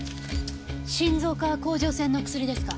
心臓か甲状腺の薬ですか？